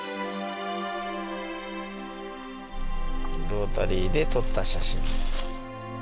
ロータリーで撮った写真です。